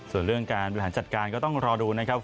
ส่วนเรื่องการบริหารจัดการก็ต้องรอดูนะครับ